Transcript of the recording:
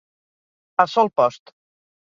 A sol post.